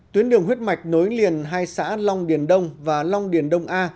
tuyến đường huyết mạch nối liền hai xã long điền đông và long điền đông a